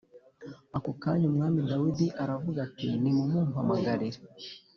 Ako kanya Umwami Dawidi aravuga ati nimumpamagarire